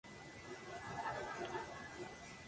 El hielo explota súbitamente y el ente parece desvanecerse.